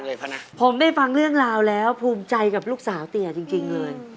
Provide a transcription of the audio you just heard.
ผมได้ฟังเรื่องราวแล้วภูมิใจกับลูกสาวเตี๋ยจริงเลย